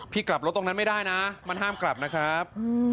กลับรถตรงนั้นไม่ได้นะมันห้ามกลับนะครับ